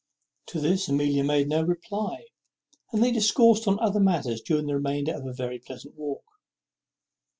To this Amelia made no reply; and they discoursed of other matters during the remainder of a very pleasant walk.